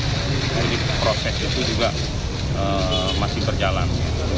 jadi proses itu juga masih berjalan